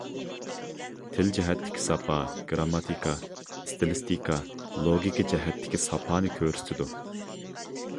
تىل جەھەتتىكى ساپا گىرامماتىكا، ئىستىلىستىكا، لوگىكا جەھەتتىكى ساپانى كۆرسىتىدۇ.